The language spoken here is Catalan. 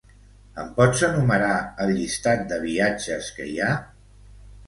Em pots enumerar els llistats de viatges que hi ha?